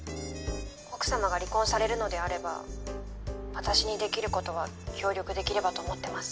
奥様が離婚されるのであれば私にできることは協力できればと思ってます。